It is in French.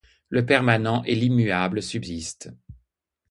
Le permanent et l’immuable subsistent.